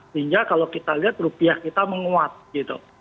sehingga kalau kita lihat rupiah kita menguat gitu